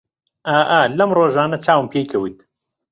ئا ئا لەم ڕۆژانە چاوم پێی کەت